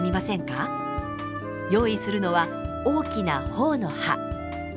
用意するのは大きな朴の葉。